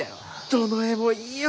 どの絵もいいよ！